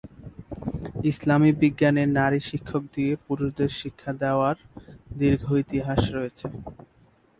ইসলামী বিজ্ঞানে নারী শিক্ষক দিয়ে পুরুষদের শিক্ষা দেওয়ার দীর্ঘ ইতিহাস রয়েছে।